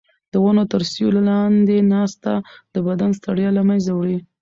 د ونو تر سیوري لاندې ناسته د بدن ستړیا له منځه وړي.